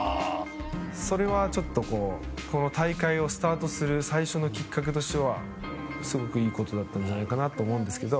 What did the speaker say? それは、この大会をスタートする最初のきっかけとしてはすごくいいことだったんじゃないかなと思うんですけど。